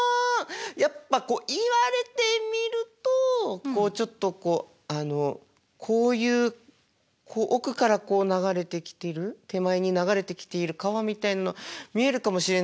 やっぱこう言われてみるとこうちょっとこうこういう奥からこう流れてきてる手前に流れてきている川みたいな見えるかもしれないですけど。